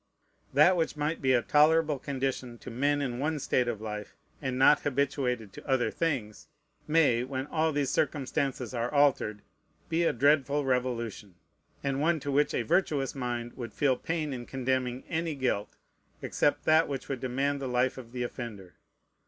That which might be a tolerable condition to men in one state of life, and not habituated to other things, may, when all these circumstances are altered, be a dreadful revolution, and one to which a virtuous mind would feel pain in condemning any guilt, except that which would demand the life of the offender.